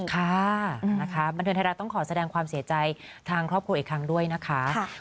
ค่ะนะคะบันเทิงไทยรัฐต้องขอแสดงความเสียใจทางครอบครัวอีกครั้งด้วยนะคะ